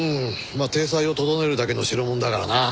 まあ体裁を整えるだけの代物だからな。